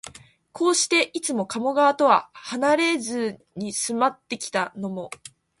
こうして、いつも加茂川とはなれずに住まってきたのも、